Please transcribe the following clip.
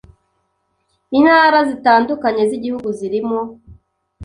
intara zitandukanye z’igihugu zirimo